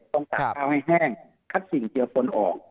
ต้องสากข้าวให้แห้งคัดสิ่งเจียวผลออก